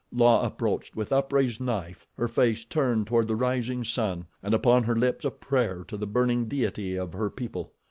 La approached with upraised knife, her face turned toward the rising sun and upon her lips a prayer to the burning deity of her people.